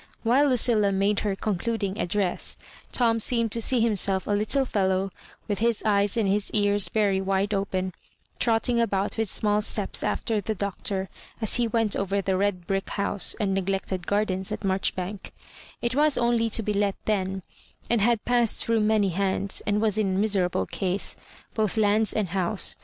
WhUe Lucilla made her concluding address, Tom seemed to see him self a little fellow, with his eyes and his ears very wide open, trotting about with small steps after the Doctor, as he went over the red brick house and neglected gardens at Marchbank: it was only to be let then, and had passed through many hands, and was in miserable case, both lands and house.